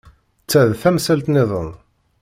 Ta d tamsalt niḍen.